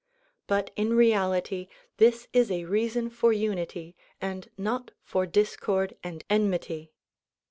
But in reality this is a reason for unity and not for discord and enmity.